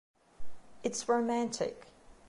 It’s romantic.